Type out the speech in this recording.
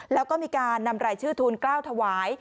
แล้วก็มีการนำรายชื่อทูลกล้าวถวาย